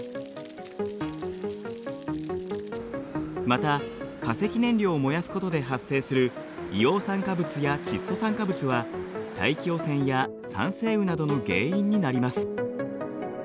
また化石燃料を燃やすことで発生する硫黄酸化物や窒素酸化物は大気汚染や酸性雨などの原因になります。